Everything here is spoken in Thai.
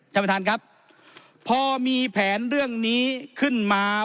ท่านประธานครับพอมีแผนเรื่องนี้ขึ้นมา